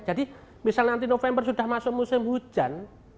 jadi misalnya nanti november sudah masuk musim hujan